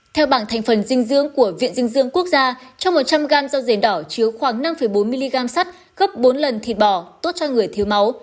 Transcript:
theo bảng thành phần dinh dưỡng của viện dinh dưỡng quốc gia trong một trăm linh gram do rền đỏ chứa khoảng năm bốn mg sắt gấp bốn lần thịt bò tốt cho người thiếu máu